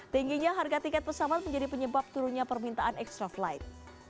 tingginya harga tiket pesawat menjadi penyebab turunnya permintaan extra flight